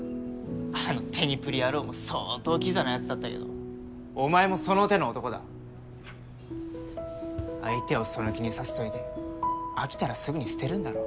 あのテニプリ野郎も相当キザなヤツだったけどお前もその手の男だ相手をその気にさせといて飽きたらすぐに捨てるんだろ